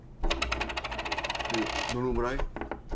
でどのくらい？